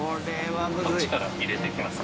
こっちから入れていきます。